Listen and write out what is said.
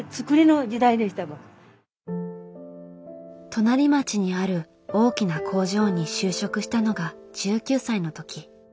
隣町にある大きな工場に就職したのが１９歳の時。